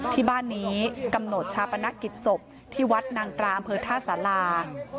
ที่บ้านนี้กำหนดชาปนกิจศพที่วัดนางตราอำเภอท่าสารา